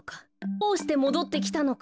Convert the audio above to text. どうしてもどってきたのか。